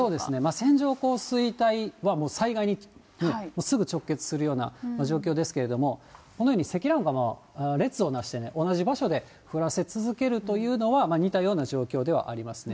線状降水帯は、災害にすぐ直結するような状況ですけれども、このように積乱雲が列をなして、同じ場所で降らせ続けるというのは、似たような状況ではありますね。